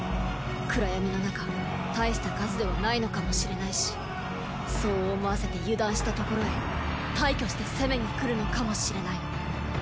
暗闇の中大した数ではないのかもしれないしそう思わせて油断したところへ大挙して攻めに来るのかもしれない。